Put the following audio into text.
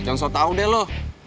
jangan sok tau deh lo